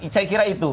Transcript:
saya kira itu